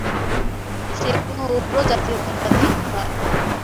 সে কোনও উগ্র জাতীয়তাবাদী নয়!